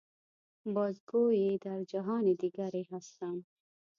باز گوئی در جهان دیگری هستم.